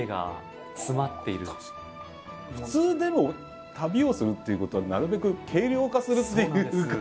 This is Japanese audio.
普通でも旅をするっていうことはなるべく軽量化するっていうか。